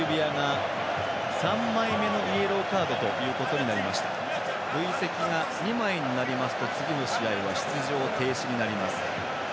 ３枚目のイエローカード、累積が２枚になりますと出場停止になります。